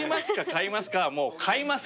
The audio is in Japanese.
買いますか？」はもう買います。